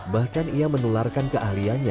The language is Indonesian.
bahkan ia menularkan keahliannya